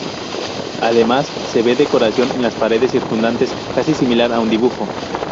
Además se ve decoración en las paredes circundantes, casi similar a un dibujo.